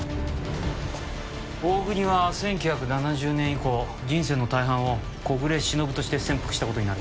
大國は１９７０年以降人生の大半を小暮しのぶとして潜伏した事になる。